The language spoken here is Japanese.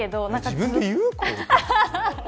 自分で言う？